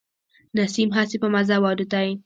نسیم هسي په مزه و الوتلی.